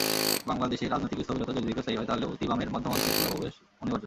বাংলাদেশে রাজনৈতিক স্থবিরতা যদি দীর্ঘস্থায়ী হয়, তাহলে অতি-বামের মধ্যমঞ্চে পুনঃপ্রবেশ অনিবার্য।